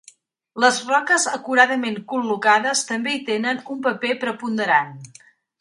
Les roques acuradament col·locades també hi tenen un paper preponderant.